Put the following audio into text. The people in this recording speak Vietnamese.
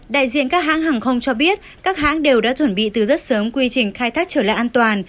đại diện các hãng hàng không cho biết các hãng đều đã chuẩn bị từ rất sớm quy trình khai thác trở lại an toàn